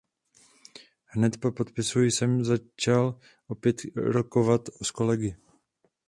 Hned po podpisu jsem začal opět rokovat s kolegy.